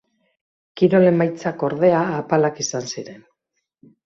Kirol emaitzak ordea apalak izan ziren.